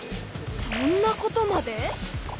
そんなことまで！